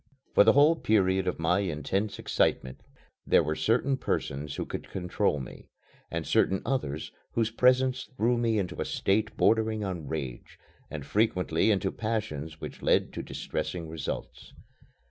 For the whole period of my intense excitement there were certain persons who could control me, and certain others whose presence threw me into a state bordering on rage, and frequently into passions which led to distressing results.